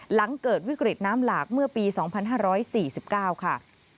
หลังเกิดวิกฤตน้ำหลากเมื่อปี๒๕๔๙ค่ะ